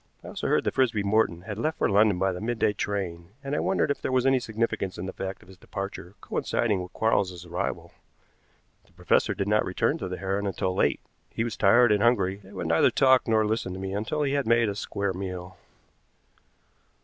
I also heard that Frisby Morton had left for London by the mid day train, and I wondered if there was any significance in the fact of his departure coinciding with Quarles's arrival. The professor did not return to the Heron until late. He was tired and hungry, and would neither talk nor listen to me until he had made a square meal.